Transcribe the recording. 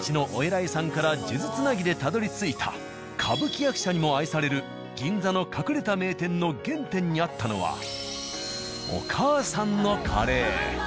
いさんから数珠つなぎでたどりついた歌舞伎役者にも愛される銀座の隠れた名店の原点にあったのはお母さんのカレー。